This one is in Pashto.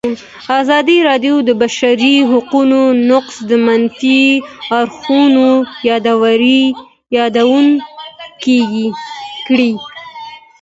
ازادي راډیو د د بشري حقونو نقض د منفي اړخونو یادونه کړې.